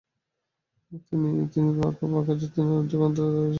তিনি বাঘা যতীনের যুগান্তর দলের সঙ্গে যুক্ত হন।